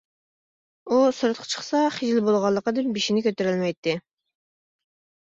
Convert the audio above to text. ئۇ سىرتقا چىقسا خىجىل بولغانلىقىدىن بېشىنى كۆتۈرەلمەيتتى.